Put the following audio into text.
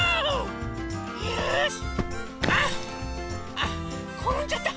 あころんじゃった。